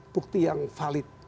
bukti yang valid